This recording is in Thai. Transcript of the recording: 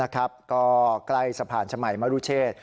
ก็ใกล้สะพานชมัยมรุเชษ